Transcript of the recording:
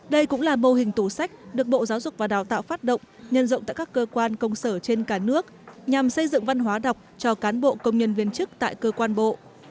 đây cũng là mô hình tủ sách được bộ giáo dục và đào tạo phát động nhân rộng tại các cơ quan công sở trên cả nước nhằm xây dựng văn hóa đọc cho cán bộ công nhân viên chức tại cơ quan bộ